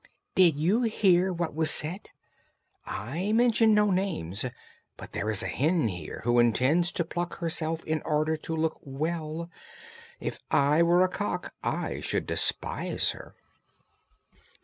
"Did you hear what was said? I mention no names, but there is a hen here who intends to pluck herself in order to look well. If I were a cock, I should despise her."